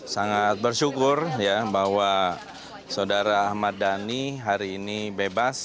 sangat bersyukur bahwa saudara ahmad dhani hari ini bebas